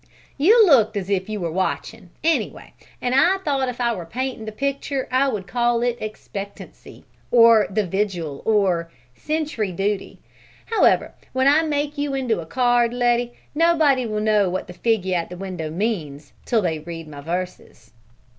"You looked as if you were watching, anyway, and I thought if I were painting the picture I would call it 'Expectancy,' or 'The Vigil,' or 'Sentry Duty.' However, when I make you into a card, Letty, nobody will know what the figure at the window means, till they read my verses."